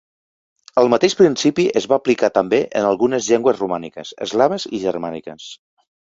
El mateix principi es va aplicar també en algunes llengües romàniques, eslaves i germàniques.